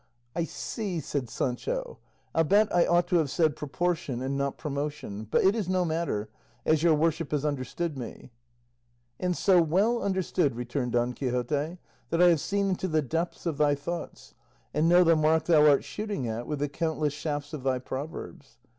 "I see," said Sancho; "I'll bet I ought to have said proportion, and not promotion; but it is no matter, as your worship has understood me." "And so well understood," returned Don Quixote, "that I have seen into the depths of thy thoughts, and know the mark thou art shooting at with the countless shafts of thy proverbs.